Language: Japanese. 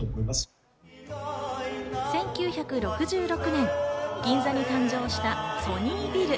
１９６６年、銀座に誕生したソニービル。